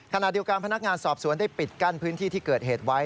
ขณะเดียวกันพนักงานสอบสวนได้ปิดกั้นพื้นที่ที่เกิดเหตุไว้